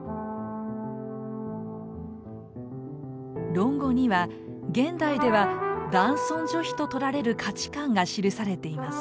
「論語」には現代では男尊女卑ととられる価値観が記されています。